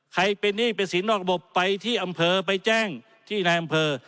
เป็นหนี้เป็นสินนอกระบบไปที่อำเภอไปแจ้งที่นายอำเภอ